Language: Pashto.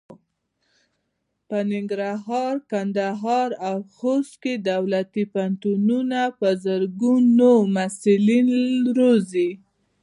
په ننګرهار، کندهار او خوست کې دولتي پوهنتونونه په زرګونو محصلین روزي.